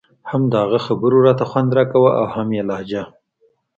هم د هغه خبرو راته خوند راکاوه او هم يې لهجه.